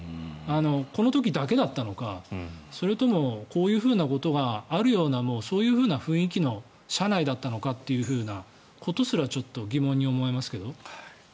この時だけだったのか、それともこういうことがあるようなそういうふうな雰囲気の社内だったのかっていうようなことすら疑問に思えますけど。